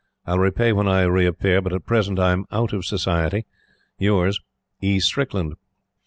I'll repay when I reappear; but at present I'm out of Society. "Yours, "E. STRICKLAND."